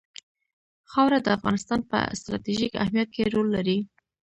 خاوره د افغانستان په ستراتیژیک اهمیت کې رول لري.